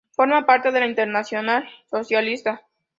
Forma parte de la Internacional Socialista.